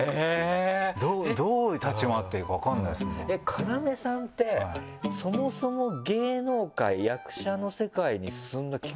要さんってそもそも芸能界役者の世界に進んだきっかけ。